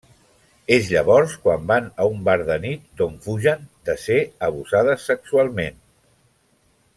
És llavors quan van a un bar de nit, d’on fugen de ser abusades sexualment.